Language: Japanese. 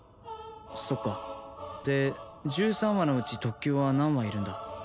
そっかで１３羽のうち特級は何羽いるんだ？